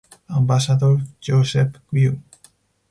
Ambassador Joseph Grew.